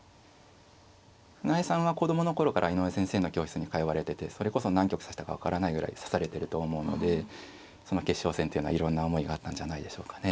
船江さんは子供の頃から井上先生の教室に通われててそれこそ何局指したか分からないぐらい指されてると思うのでその決勝戦っていうのはいろんな思いがあったんじゃないでしょうかね。